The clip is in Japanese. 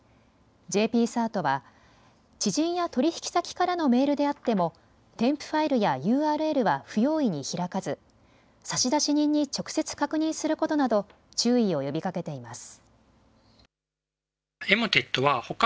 ＪＰＣＥＲＴは知人や取引先からのメールであっても添付ファイルやＵＲＬは不用意に開かず差出人に直接確認することなど注意を呼びかけています。